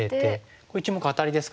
これ１目アタリですからね